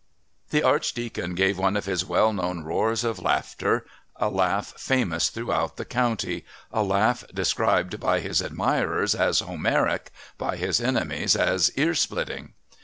The Archdeacon gave one of his well known roars of laughter a laugh famous throughout the county, a laugh described by his admirers as "Homeric," by his enemies as "ear splitting."